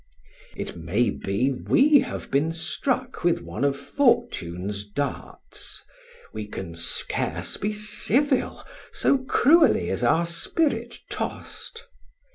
It may be we have been struck with one of fortune's darts; we can scarce be civil, so cruelly is our spirit tossed.